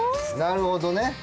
なるほどね。